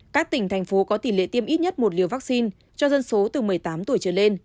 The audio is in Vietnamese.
các tỉnh thành phố có tỷ lệ tiêm ít nhất một liều vaccine cho dân số từ một mươi tám tuổi trở lên